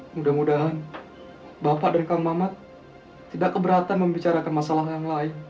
mudah mudahan bapak dan kang mamat tidak keberatan membicarakan masalah yang lain